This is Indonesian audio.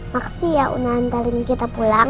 maksudnya unah antarin kita pulang